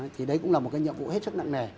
thì đấy cũng là một cái nhiệm vụ hết sức nặng nề